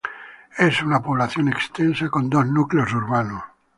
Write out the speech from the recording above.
Es una población extensa con dos núcleos urbanos.